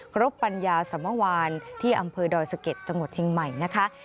ปัญญาสมวานที่อำเภอดอยสะเก็ดจังหวัดเชียงใหม่นะคะ